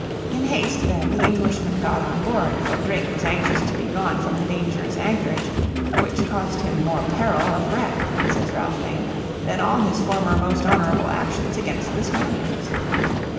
In haste then the Englishmen got on board, for Drake, was anxious to be gone from the dangerous anchorage "which caused him more peril of wreck," says Ralph Lane, "than all his former most honourable actions against the Spaniards."